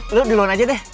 lo duluan aja deh